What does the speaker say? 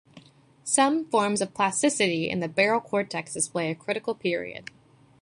Some forms of plasticity in the barrel cortex display a critical period.